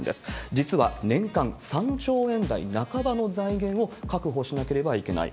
実は年間３兆円台半ばの財源を確保しなければいけない。